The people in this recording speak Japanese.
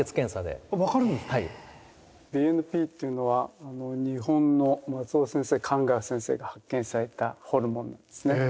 ＢＮＰというのは日本の松尾先生寒川先生が発見されたホルモンなんですね。